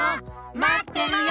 まってるよ！